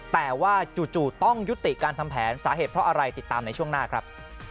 แต่ว่าจู่ต้องยุติการทำแผนสาเหตุเพราะอะไรติดตามในช่วงหน้าครับ